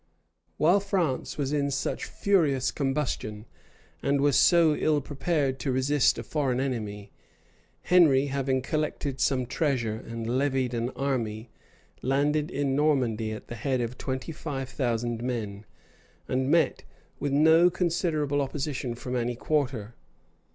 [*] {1418.} While France was in such furious combustion, and was so ill prepared to resist a foreign enemy, Henry, having collected some treasure and levied an army, landed in Normandy at the head of twenty five thousand men; and met with no considerable opposition from any quarter.